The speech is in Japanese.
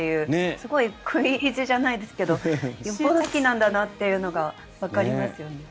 すごい食い意地じゃないですけどよっぽど好きなんだなというのがわかりますよね。